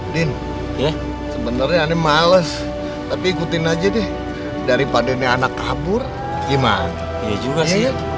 din ya sebenarnya males tapi ikutin aja deh daripada ini anak kabur gimana ya juga sih